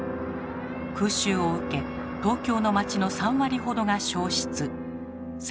空襲を受け東京の町の３割ほどが焼失。